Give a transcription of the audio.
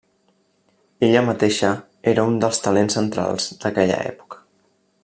Ella mateixa era un dels talents centrals d'aquella època.